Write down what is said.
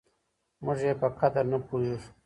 موږ يې په قدر نه پوهېږو.